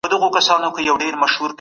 هغه کس چې فشار لري، ژر ستړی کېږي.